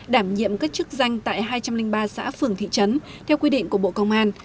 đảm nhiệm các chức danh tại hai trăm linh ba xã phường thị trấn theo quy định của bộ công an